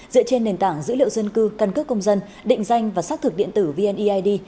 dựa trên nền tảng dữ liệu dân cư căn cước công dân định danh và xác thực điện tử vneid